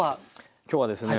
今日はですね